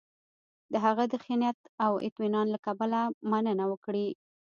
د هغه د ښه نیت او اطمینان له کبله مننه وکړي.